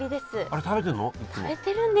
あれ食べてるの？